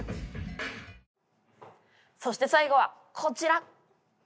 そしてさいごはこちら！